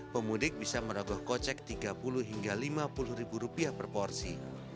pemudik bisa merogoh kocek tiga puluh hingga lima puluh ribu rupiah per porsi